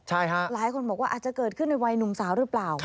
หลายคนบอกว่าอาจจะเกิดขึ้นในวัยหนุ่มสาวหรือเปล่า